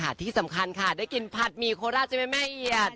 ที่สำคัญค่ะได้กินผัดหมี่โคราชใช่ไหมแม่เอียด